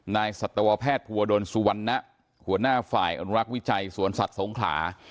สัตวแพทย์ภูวดลสุวรรณะหัวหน้าฝ่ายอนุรักษ์วิจัยสวนสัตว์สงขลา